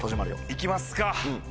行きますか。